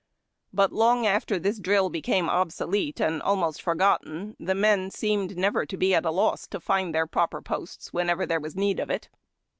But long after this drill became obsolete and almost forgotten, the men seemed never to be at a loss to find their proper posts whenever there was need of it.